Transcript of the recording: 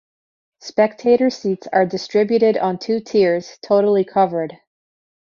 Spectator seats are distributed on two tiers, totally covered.